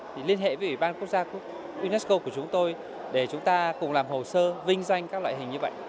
thì liên hệ với ủy ban quốc gia unesco của chúng tôi để chúng ta cùng làm hồ sơ vinh danh các loại hình như vậy